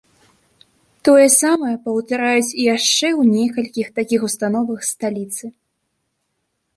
Тое самае паўтараюць і яшчэ ў некалькіх такіх установах сталіцы.